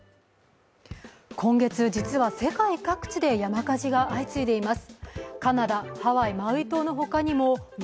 今月、実は世界各地で山火事が相次いでいます。